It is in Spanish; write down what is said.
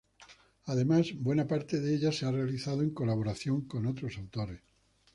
Además, buena parte de ella se ha realizado en colaboración con otros autores.